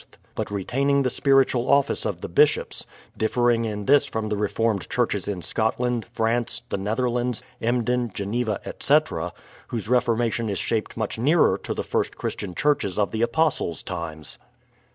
but retaining the spiritual office of the bishops, — differing in this from the reformed churches in Scotland, France, the Netherlands, Emden, Geneva, etc., whose reformation is shaped much nearer to the first Christian churches of the Apostles' times."